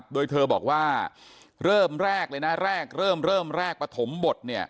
โดยเธอบอกว่าเริ่มแรกประถมบท